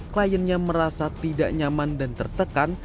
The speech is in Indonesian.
kliennya merasa tidak nyaman dan tertekan